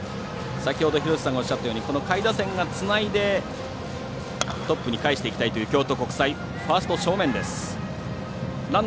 先ほど廣瀬さんがおっしゃったように下位打線がつないでトップにかえしていきたいという京都国際。